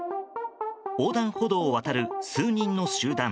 横断歩道を渡る数人の集団。